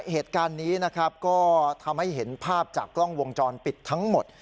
เหตุการณ์นี้นะครับก็ทำให้เห็นภาพจากกล้องวงจรปิดทั้งหมด